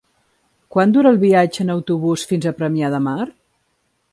Quant dura el viatge en autobús fins a Premià de Mar?